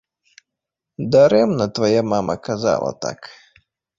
Дарэмна твая мама казала так.